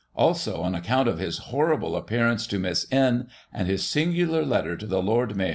Also an account of his horrible appear ance to Miss N and his singular letter to the Lord Mayor of London."